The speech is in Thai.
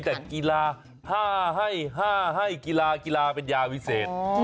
แต่กีฬา๕ให้๕ให้กีฬากีฬาเป็นยาวิเศษ